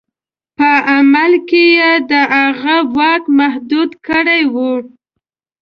په عمل کې یې د هغه واک محدود کړی وو.